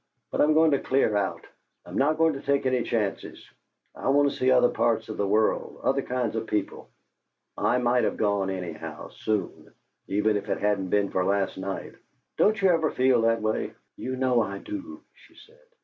"But I'm going to clear out. I'm not going to take any chances. I want to see other parts of the world, other kinds of people. I might have gone, anyhow, soon, even if it hadn't been for last night. Don't you ever feel that way?" "You know I do," she said.